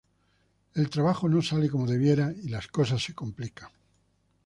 El trabajo no sale como debiera y las cosas se complican.